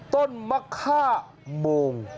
ต้นมะข้ามง